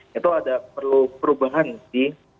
itu ada perlu perubahan di